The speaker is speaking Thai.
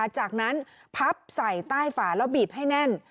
จากนั้นพับใส่ใต้ฝาแล้วบีบให้แน่น